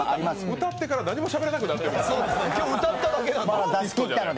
歌ってから何もしゃべらなくなりましたね。